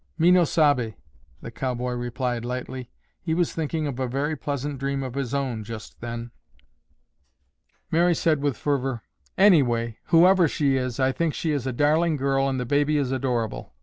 "Me no sabe," the cowboy replied lightly. He was thinking of a very pleasant dream of his own just then. Mary said with fervor, "Anyway, whoever she is, I think she is a darling girl and the baby is adorable.